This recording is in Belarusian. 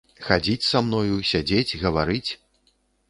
Хадзіць са мною, сядзець, гаварыць?